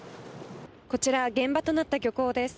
こちら、現場となった漁港です。